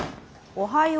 おはよう。